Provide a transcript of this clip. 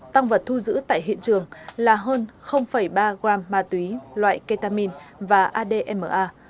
tạng vật thu giữ tại hiện trường là hơn ba gram ma túy loại ketamine và adma